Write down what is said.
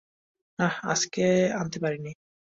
না, আজকে আনতে পারিনি।